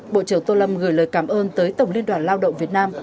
bộ trưởng tô lâm gửi lời cảm ơn tới tổng liên đoàn lao động việt nam